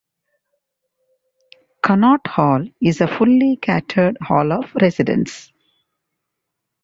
Connaught Hall is a fully catered hall of residence.